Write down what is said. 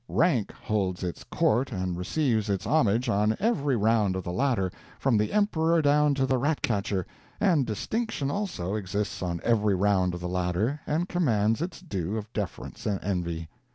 Rank holds its court and receives its homage on every round of the ladder, from the emperor down to the rat catcher; and distinction, also, exists on every round of the ladder, and commands its due of deference and envy.